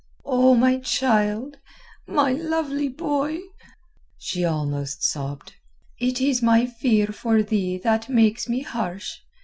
"O my child, my lovely boy," she almost sobbed. "It is my fear for thee that makes me harsh.